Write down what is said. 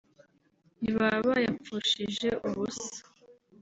ni baba bayapfushije ubusa